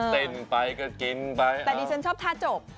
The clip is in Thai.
แต่จนชอบท่าจบ